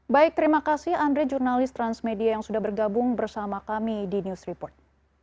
baik terima kasih andre jurnalis transmedia yang sudah bergabung bersama kami di news report